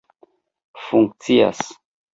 funkcias